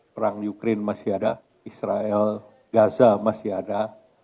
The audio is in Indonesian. perang ukraine masih ada israel gaza masih ada